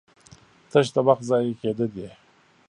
تش د وخت ضايع کېده دي